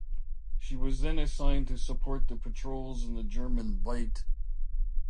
She was then assigned to support the patrols in the German Bight.